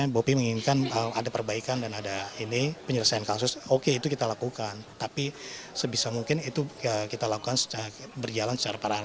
bopi menginginkan ada perbaikan dan ada ini penyelesaian kasus oke itu kita lakukan tapi sebisa mungkin itu kita lakukan berjalan secara paralel